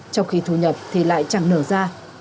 trong khi thu nhập thì lại chẳng nở ra